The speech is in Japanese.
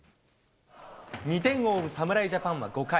２点を追う侍ジャパンは５回。